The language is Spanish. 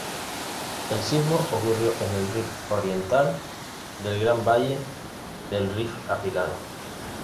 El sismo ocurrió en el rift oriental del Gran Valle del Rift africano.